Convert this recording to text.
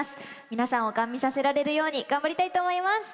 皆さんをガン見させられるように頑張りたいと思います！